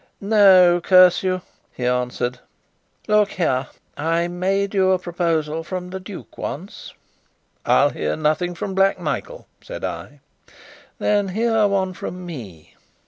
"No, curse you!" he answered. "Look here, I made you a proposal from the duke once." "I'll hear nothing from Black Michael," said I. "Then hear one from me."